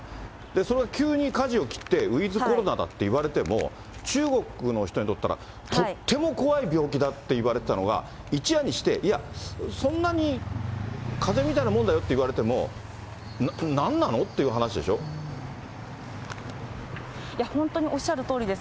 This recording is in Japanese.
それが急にかじを切って、ウィズコロナだって言われても、中国の人にとったら、とっても怖い病気だっていわれてたのが、一夜にして、いや、そんなにかぜみたいなもんだよっていわれても、なんなんの？っていや、本当におっしゃるとおりです。